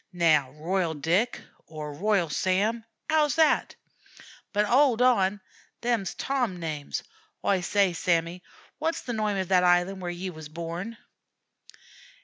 Now 'Royal Dick,' or 'Royal Sam,' 'ow's that? But 'owld on; them's Tom names. Oi say, Sammy, wot's the noime of that island where ye wuz born?"